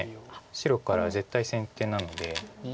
白から絶対先手なので。